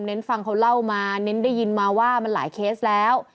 ฟังเขาเล่ามาเน้นได้ยินมาว่ามันหลายเคสแล้ว